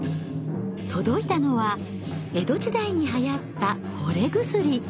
届いたのは江戸時代にはやった惚れ薬。